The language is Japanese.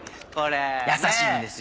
優しいんですよ。